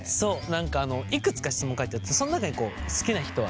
何かいくつか質問書いてあってそん中に「好きな人は？」